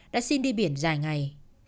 đã xin đi biển dài ngày